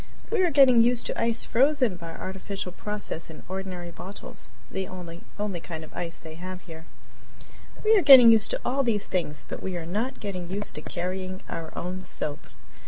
We are getting used to ice frozen by artificial process in ordinary bottles the only kind of ice they have here. We are getting used to all these things, but we are not getting used to carrying our own soap.